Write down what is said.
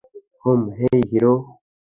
Hmm - hey, hero!